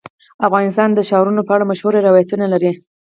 افغانستان د ښارونو په اړه مشهور روایتونه لري.